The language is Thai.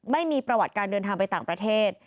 ไม่มีประวัติการเดินทางไปต่างประเทศ